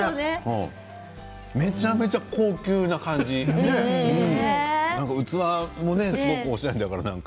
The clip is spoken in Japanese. めちゃめちゃ高級な感じで器もおしゃれだから。